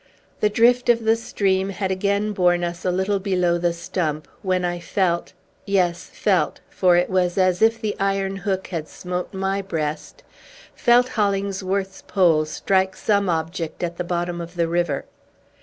The drift of the stream had again borne us a little below the stump, when I felt yes, felt, for it was as if the iron hook had smote my breast felt Hollingsworth's pole strike some object at the bottom of the river!